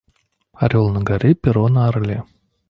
Орел на горе, перо на орле.